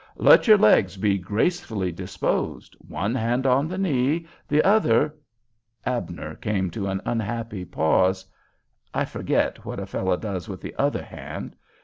"'Let your legs be gracefully disposed, one hand on the knee, the other—'" Abner came to an unhappy pause. "I forget what a fellow does with the other hand.